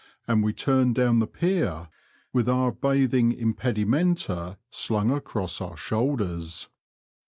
and we turned down the Pier with our bathing impedimenta slung across our shoulders.